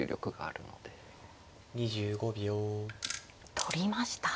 取りました。